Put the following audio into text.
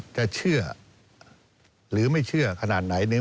จะเชื่อหรือไม่เชื่อขนาดไหน